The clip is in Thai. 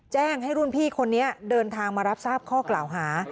แจ้งให้รุ่นพี่คนนี้เดินทางมารับทราบข้อกล่าวหา